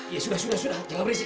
ya sudah sudah sudah jangan berisik